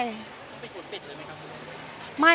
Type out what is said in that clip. มันต้องเป็นหกเป็นเลยไหมครับ